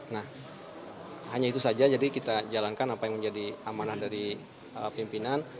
nah hanya itu saja jadi kita jalankan apa yang menjadi amanah dari pimpinan